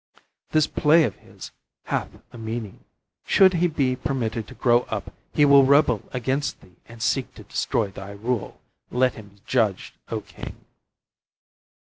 This play of his hath a meaning. Should he be permitted to grow up, he will rebel against thee and seek to destroy thy rule. Let him be judged, O king."